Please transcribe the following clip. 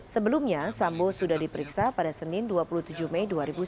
sebelumnya sambo sudah diperiksa pada senin dua puluh tujuh mei dua ribu sembilan belas